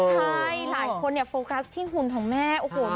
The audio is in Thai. ใช่หลายคนเนี่ยโฟกัสที่หุ่นของแม่โอ้โห